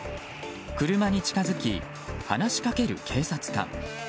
車に近づき、話しかける警察官。